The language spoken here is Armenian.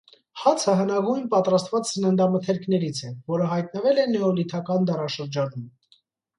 Հացը հնագույն պատրաստված սննդամթերքներից է որը հայտնվել է նեոլիթական դարաշրջանում։